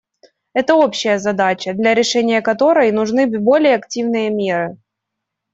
Это общая задача, для решения которой нужны более активные меры.